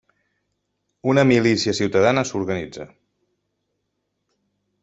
Una milícia ciutadana s'organitza…